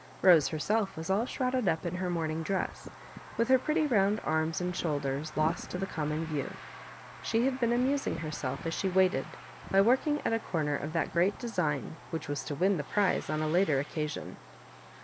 Bose herself was all shrouded up in her morning dress, with her pretty round arms and shoulders lost to the com mon view. She had been amusing herself as she waited by working at a comer of that great design which was to win the prize on a later occasion.